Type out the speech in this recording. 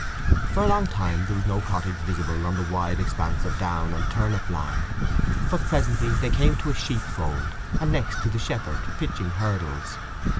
For a long time there was no cottage visible on the wide expanse of down and turnip land; but presently they came to a sheepfold, and next to the shepherd, pitching hurdles.